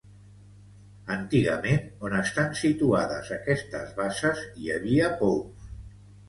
Antigament, on estan situades aquestes basses, hi havia pous.